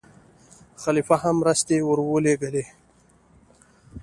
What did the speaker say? خلیفه هم مرستې ورولېږلې.